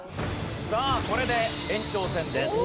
さあこれで延長戦です。